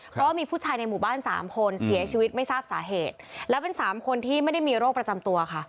เพราะว่ามีผู้ชายในหมู่บ้านสามคนเสียชีวิตไม่ทราบสาเหตุแล้วเป็นสามคนที่ไม่ได้มีโรคประจำตัวค่ะ